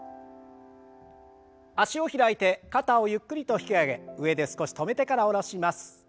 脚を開いて肩をゆっくりと引き上げ上で少し止めてから下ろします。